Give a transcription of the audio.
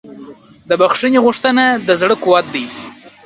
د بښنې غوښتنه د زړه قوت دی.